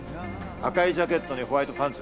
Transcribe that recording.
赤いジャケットにホワイトパンツ。